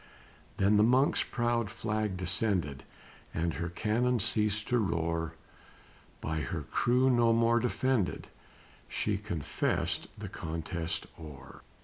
Then the Monk's proud flag descended, And her cannon ceased to roar; By her crew no more defended, She confessed the contest o'er.